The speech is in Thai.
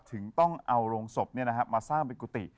ถึงต้องเอาโรงศพเนี่ยนะครับมาสร้างเป็นกุฏิ